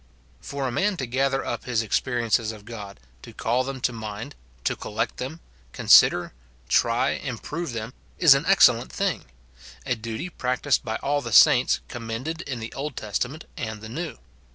For a man to gather up his experiences of God, to call them to mind, to collect them, consider, try, improve them, is an excellent thing, — a duty practised hy all the saints, commended in the Old Testament and the New.